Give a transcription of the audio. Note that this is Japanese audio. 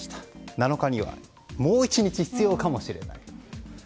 ７日にはもう１日必要かもしれない。